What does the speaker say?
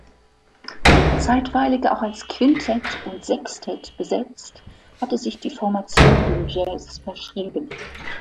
Zeitweilig auch als Quintett und Sextett besetzt, hatte sich die Formation dem Jazz verschrieben.